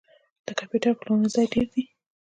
د کمپیوټر پلورنځي ډیر دي